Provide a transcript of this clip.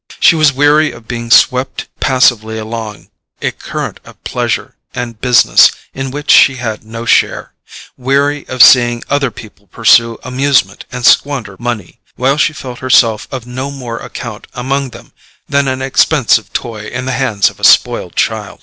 She was weary of being swept passively along a current of pleasure and business in which she had no share; weary of seeing other people pursue amusement and squander money, while she felt herself of no more account among them than an expensive toy in the hands of a spoiled child.